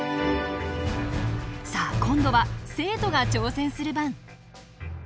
さあ今度は生徒が挑戦する番。